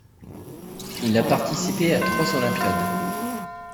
Il a participé à trois olympiades.